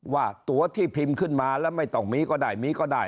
ว่าตัวที่พิมพ์ขึ้นมาแล้วไม่ต้องมีก็ได้มีก็ได้